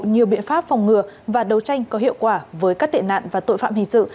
nhiều biện pháp phòng ngừa và đấu tranh có hiệu quả với các tệ nạn và tội phạm hình sự